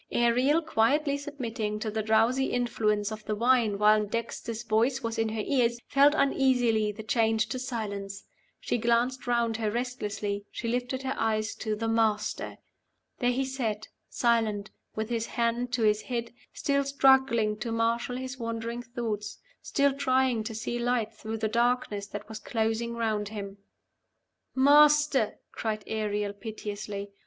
Ariel, quietly submitting to the drowsy influence of the wine while Dexter's voice was in her ears, felt uneasily the change to silence. She glanced round her restlessly; she lifted her eyes to "the Master." There he sat, silent, with his hand to his head, still struggling to marshal his wandering thoughts, still trying to see light through the darkness that was closing round him. "Master!" cried Ariel, piteously.